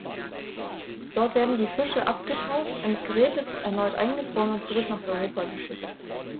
Dort werden die Fische abgetaut, entgrätet, erneut eingefroren und zurück nach Europa geschickt.